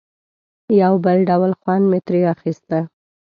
یو بل ډول خوند به مې ترې اخیسته.